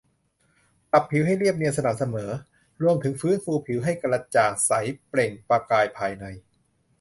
ปรับผิวให้เรียบเนียนสม่ำเสมอ รวมถึงฟื้นฟูผิวให้กระจ่างใสเปล่งประกายภายใน